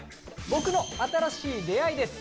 「僕の新しい出会い」です。